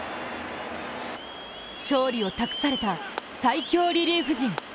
勝利を託された最強リリーフ陣。